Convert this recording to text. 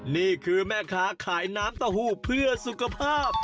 นี่คือแม่ค้าขายน้ำเต้าหู้เพื่อสุขภาพ